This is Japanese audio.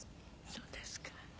そうですか。